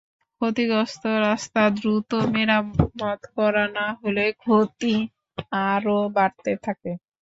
ক্ষতিগ্রস্ত রাস্তা দ্রুত মেরামত করা না হলে ক্ষতি আরও বাড়তে থাকে।